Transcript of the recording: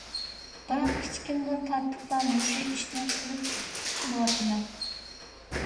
بىراق كىچىكىمدىن تارتىپلا مۇشۇ ئىشنى قىلىپ كېلىۋاتىمەن.